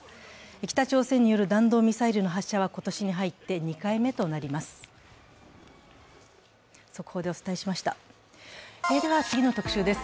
北朝鮮による弾道ミサイルの発射は今年に入って２回目となります。